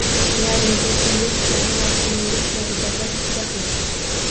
Ya'ni, bu tendentsiyani mavsumiylik bilan izohlash juda qiyin